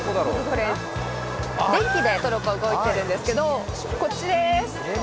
電気でトロッコ、動いているんですけど、こっちでーす。